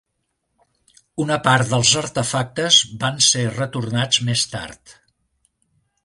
Una part dels artefactes van ser retornats més tard.